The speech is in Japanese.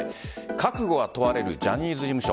覚悟が問われるジャニーズ事務所。